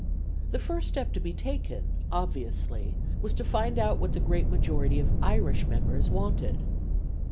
The first step to be taken obviously was to find out what the great majority of Irish members wanted.